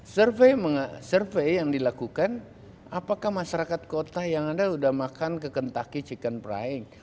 survei yang dilakukan apakah masyarakat kota yang ada sudah makan kekentaki chicken pring